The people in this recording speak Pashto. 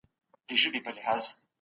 روغتونونو ناروغانو ته وړیا درملنه کوله.